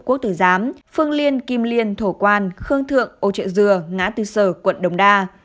quốc tử giám phương liên kim liên thổ quan khương thượng ô trợ dừa ngã tư sở quận đồng đa